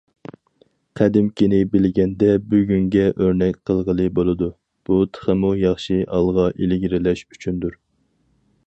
قەدىمكىنى بىلگەندە بۈگۈنگە ئۆرنەك قىلغىلى بولىدۇ، بۇ تېخىمۇ ياخشى ئالغا ئىلگىرىلەش ئۈچۈندۇر.